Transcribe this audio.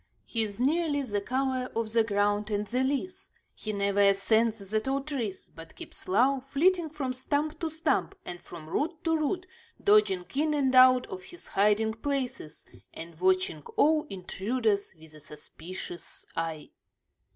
He is nearly the color of the ground and the leaves; he never ascends the tall trees, but keeps low, flitting from stump to stump and from root to root, dodging in and out of his hiding places, and watching all intruders with a suspicious eye.